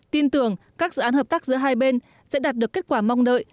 tin tưởng các dự án hợp tác giữa hai bên sẽ đạt được kết quả mong đợi